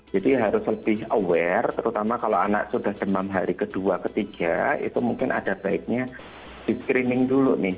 jadi harus lebih aware terutama kalau anak sudah demam hari kedua ketiga itu mungkin ada baiknya di screening dulu nih